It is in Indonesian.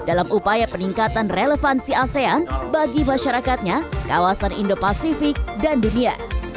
dalam upaya peningkatan relevansi asean bagi masyarakatnya kawasan indo pasifik dan dunia